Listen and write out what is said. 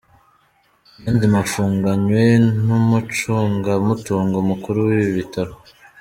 Niyonzima afunganywe n’umucungamutungo mukuru w’ibi bitaro.